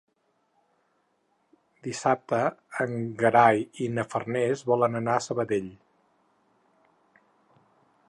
Dissabte en Gerai i na Farners volen anar a Sabadell.